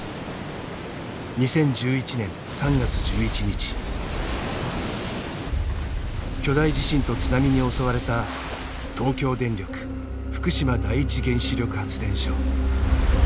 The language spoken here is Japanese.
２０１１年３月１１日巨大地震と津波に襲われた東京電力福島第一原子力発電所。